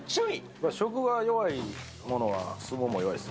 これ、食が弱いものは、相撲も弱いです。